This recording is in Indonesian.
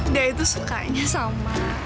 dia itu sukanya sama